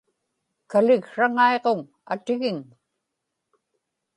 kaliksraŋaiġuŋ atigin